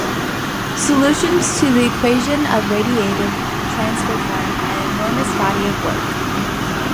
Solutions to the equation of radiative transfer form an enormous body of work.